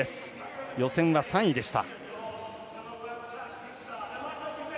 予選は３位でした。